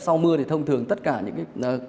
sau mưa thì thông thường tất cả những cái